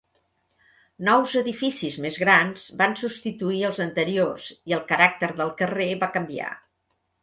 Nous edificis més grans van substituir els anteriors i el caràcter del carrer va canviar.